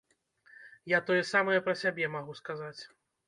Я тое самае пра сябе магу сказаць.